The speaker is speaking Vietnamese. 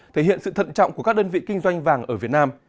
thể hiện sự thận trọng của các đơn vị kinh doanh vàng ở việt nam